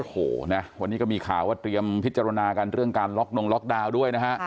โอ้โหนะวันนี้ก็มีข่าวว่าเตรียมพิจารณากันเรื่องการล็อกนงล็อกดาวน์ด้วยนะฮะ